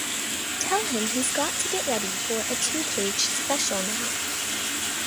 Tell him he’s got to get ready for a two-page special now.